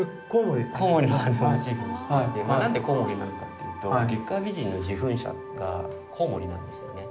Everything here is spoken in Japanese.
何でコウモリなのかっていうと月下美人の受粉者がコウモリなんですよね。